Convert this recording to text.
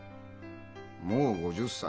もう５０歳？